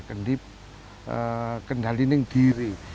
kendi kendali ini diri